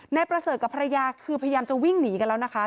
นายประเสริฐกับภรรยาคือพยายามจะวิ่งหนีกันแล้วนะคะ